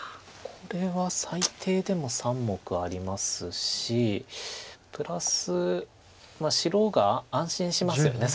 これは最低でも３目はありますしプラス白が安心しますよね